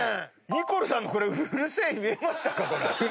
ニコルさんのこれうるせえに見えましたか？